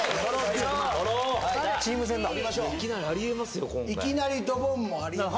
今回いきなりドボンもあります